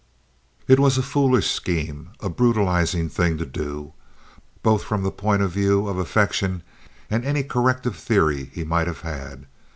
It was a foolish scheme, a brutalizing thing to do, both from the point of view of affection and any corrective theory he might have had.